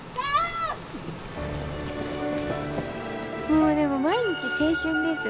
もうでも毎日青春です。